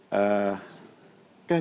kemampuan yang kita lakukan ini